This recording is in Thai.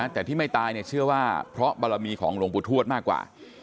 แต่ที่ไม่ตายเชื่อว่าเพราะบารมีของหลวงปู่ทวดมากกว่า